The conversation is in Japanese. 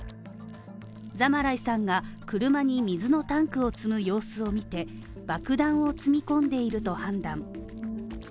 ザマライさんが車に水のタンクを積む様子を見て、爆弾を積み込んでいると判断。